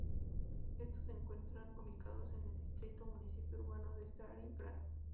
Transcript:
Estos se encuentran ubicados en el distrito o municipio urbano de Stari Grad.